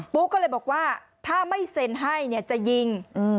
ุ๊กก็เลยบอกว่าถ้าไม่เซ็นให้เนี่ยจะยิง